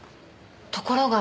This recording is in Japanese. ところが。